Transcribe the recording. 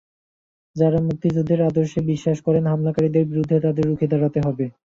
যাঁরা মুক্তিযুদ্ধের আদর্শে বিশ্বাস করেন, হামলাকারীদের বিরুদ্ধে তাঁদের রুখে দাঁড়াতে হবে।